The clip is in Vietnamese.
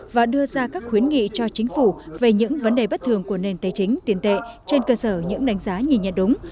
và đưa ra các khuyến nghị cho chính phủ về những vấn đề bất thường của nền tài chính tiền tệ trên cơ sở những đánh giá nhìn nhận đúng